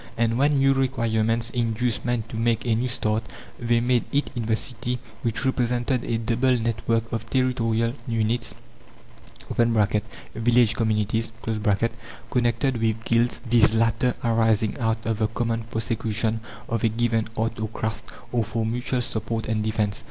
And when new requirements induced men to make a new start, they made it in the city, which represented a double network of territorial units (village communities), connected with guilds these latter arising out of the common prosecution of a given art or craft, or for mutual support and defence.